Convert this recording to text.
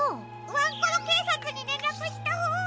ワンコロけいさつにれんらくしたほうが。